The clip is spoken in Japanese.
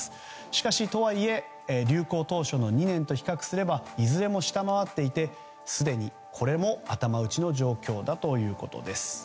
しかし、とはいえ、流行当初の２年と比較すればいずれも下回っていてすでにこれも頭打ちの状況だということです。